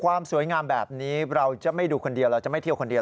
ความสวยงามแบบนี้เราจะไม่ดูคนเดียวเราจะไม่เที่ยวคนเดียว